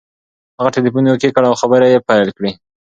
هغه ټلیفون اوکې کړ او خبرې یې پیل کړې.